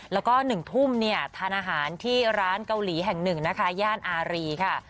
แล้วก็๑ทุ่มทานอาหารที่ร้านเกาหลีแห่ง๑ย่านอารีค่ะ